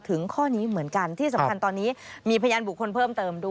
ข้อนี้เหมือนกันที่สำคัญตอนนี้มีพยานบุคคลเพิ่มเติมด้วย